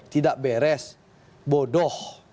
tidak beres bodoh